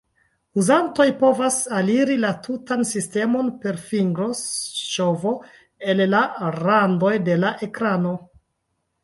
Uzantoj povas aliri la tutan sistemon per fingro-ŝovo el la randoj de la ekrano.